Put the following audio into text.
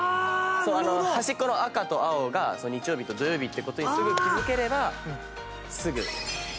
端っこの赤と青が日曜日と土曜日って事にすぐ気づければすぐ。